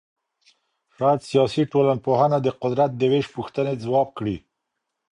شاید سیاسي ټولنپوهنه د قدرت د وېش پوښتنې ځواب کړي.